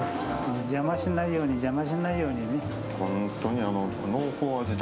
邪魔しないように邪魔しないようにね。